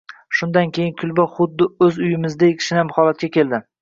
Shundan keyin kulba xuddi o`z uyimizdagidek shinam holatga keldi